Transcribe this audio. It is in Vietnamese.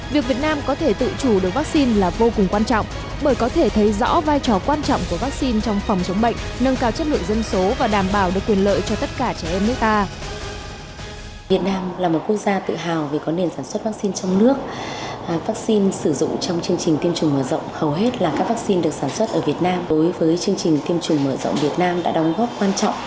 việc việt nam có thể tự chủ được vaccine là vô cùng quan trọng bởi có thể thấy rõ vai trò quan trọng của vaccine trong phòng chống bệnh nâng cao chất lượng dân số và đảm bảo được quyền lợi cho tất cả trẻ em nước ta